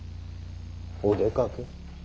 お出かけ？